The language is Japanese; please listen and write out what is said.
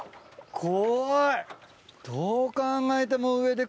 怖い！